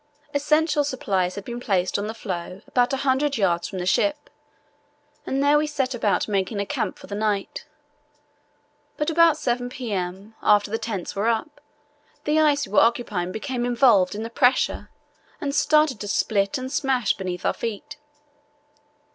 Essential supplies had been placed on the floe about 100 yds. from the ship, and there we set about making a camp for the night. But about 7 p.m., after the tents were up, the ice we were occupying became involved in the pressure and started to split and smash beneath our feet.